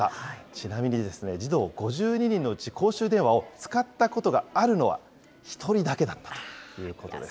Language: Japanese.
ちなみに児童５２人のうち、公衆電話を使ったことがあるのは、１人だけだったということです。